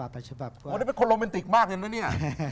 วันนี้เป็นคนโรแมนติกมากเลยนะเนี่ย